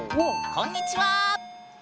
こんにちは！